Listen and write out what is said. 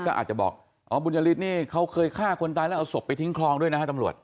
ก็อาจจะบอกอ๋อบุญยฤทธินี่เขาเคยฆ่าคนตายแล้วเอาศพไปทิ้งคลองด้วยนะฮะตำรวจ